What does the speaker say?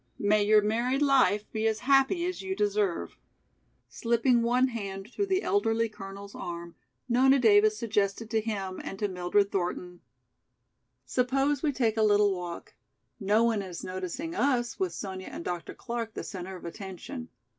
May your married life be as happy as you deserve." Slipping one hand through the elderly Colonel's arm, Nona Davis suggested to him and to Mildred Thornton: "Suppose we take a little walk; no one is noticing us with Sonya and Dr. Clark the centre of attention.